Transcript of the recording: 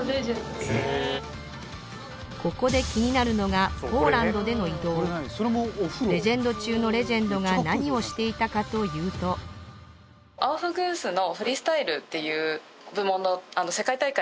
ここで気になるのがポーランドでの移動レジェンド中のレジェンドが何をしていたかというと・ポーランドまで？